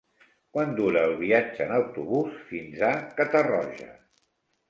Quant dura el viatge en autobús fins a Catarroja?